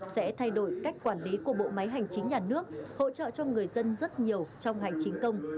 sẽ thay đổi cách quản lý của bộ máy hành chính nhà nước hỗ trợ cho người dân rất nhiều trong hành chính công